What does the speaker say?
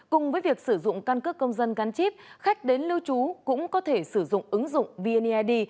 cùng với việc sử dụng căn cước công dân gắn chip khách đến lưu trú cũng có thể sử dụng ứng dụng vneid